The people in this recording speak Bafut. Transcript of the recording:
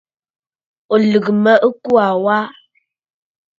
Ò lɨ̀gə̀ mə ɨkuu aa wa?